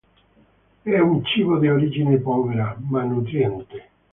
È un cibo di origine povera, ma nutriente.